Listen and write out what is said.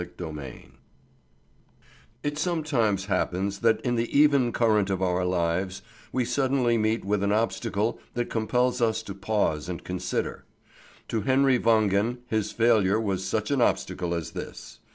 CHAPTER V IT sometimes happens that in the even current of our lives we suddenly meet with an obstacle that compels us to pause and consider. To Henry Wangen his failure was such an obstacle as this.